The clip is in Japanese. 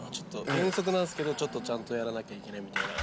遠足なんですけど、ちゃんとやらないといけないみたいな。